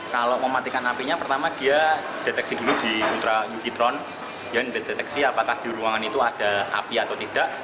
kalau mematikan apinya pertama dia deteksi dulu di ultra infitron dia deteksi apakah di ruangan itu ada api atau tidak